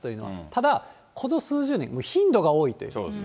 ただこの数十年は頻度が多いという。